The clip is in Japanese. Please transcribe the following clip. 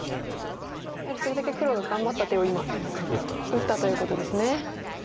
やはりそれだけ黒が頑張った手を今打ったということですね。